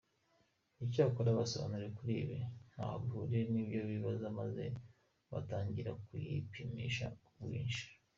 Icyakora basobanuriwe ko ibi ntaho bihuriye n’ibyo bibaza maze batangira kuyipimisha ku bwinshi.